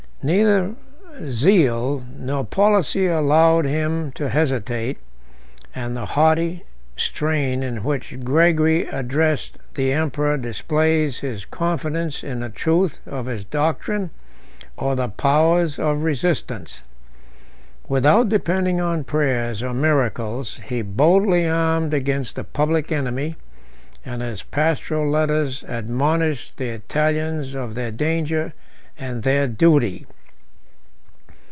Neither zeal nor policy allowed him to hesitate; and the haughty strain in which Gregory addressed the emperor displays his confidence in the truth of his doctrine or the powers of resistance. Without depending on prayers or miracles, he boldly armed against the public enemy, and his pastoral letters admonished the Italians of their danger and their duty.